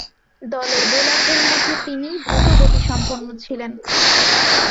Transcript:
দলের বোলারদের মধ্যে তিনিই দ্রুতগতিসম্পন্ন ছিলেন।